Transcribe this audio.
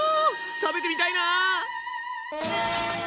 食べてみたいな。